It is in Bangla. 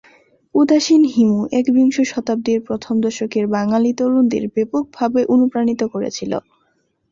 উদাসীন হিমু একবিংশ শতাব্দীর প্রথম দশকের বাঙ্গালী তরুণদের ব্যাপকভাবে অনুপ্রাণিত করেছিল।